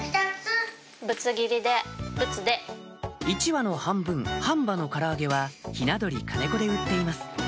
１羽の半分半羽のから揚げはひな鳥金子で売っています